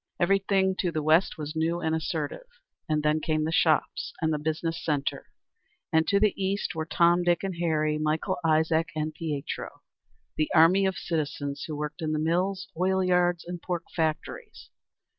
Everything to the west was new and assertive; then came the shops and the business centre; and to the east were Tom, Dick, and Harry, Michael, Isaac and Pietro, the army of citizens who worked in the mills, oil yards, and pork factories.